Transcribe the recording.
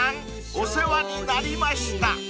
お世話になりました］